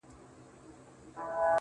غجيبه نه ده گراني دا خبره_